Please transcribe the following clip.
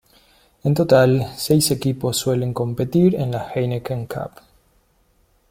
En total, seis equipos suelen competir en la Heineken Cup.